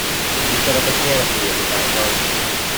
We set up a canopy in the back garden.